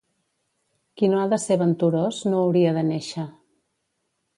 Qui no ha de ser venturós, no hauria de néixer.